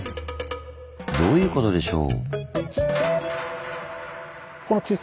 どういうことでしょう？